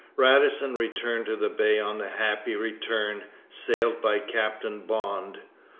Radisson returned to the Bay on the Happy Return, sailed by Captain Bond.